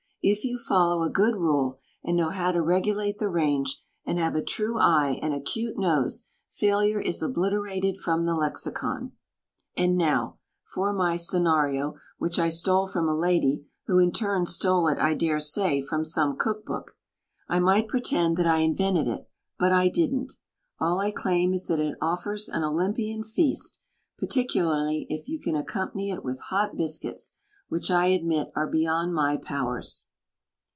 If you follow a good rule and know how to regulate the range and have a true eye and acute nose, failure is obliterated from the lexicon. And now for my scenario, which I Stole from a lady, who in turn stole it, I dare say, from some cook book. I might pretend that I invented it, but I didn't. All I claim is that it offers an Olympian feast — particularly if you can accompany it with hot biscuits, which I admit are beyond my powers.